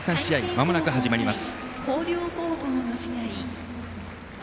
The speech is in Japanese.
まもなく始まります。